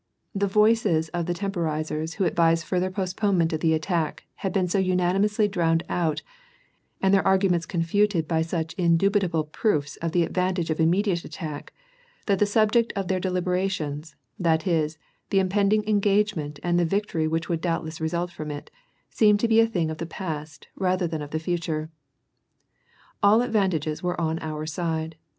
The voices of the temporizers who advised further postponement of the attack had been so unanimously drowned out and their arguments confuted by such indubitable proofs of the advantage of immediate attack, that the subject of their delib erations — that is, the impending engagement and the victory which would doubtless result from it, — seemed to be a thing of the past rather than of the future. All the advantages were on our side.